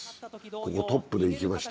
ここトップで行きました。